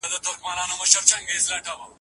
د کتابتون څېړنه د معلوماتو تر ټولو اسانه لار ده.